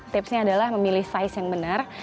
tips nya adalah memilih size yang benar